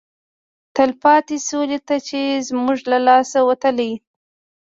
تلپاتې سولې ته چې زموږ له لاسه وتلی